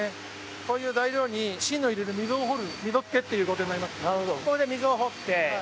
こういう材料に芯を入れる溝を掘る溝付けという工程になります。